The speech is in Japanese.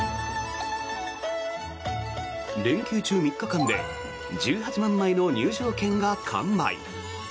連休中３日間で１８万枚の入場券が完売。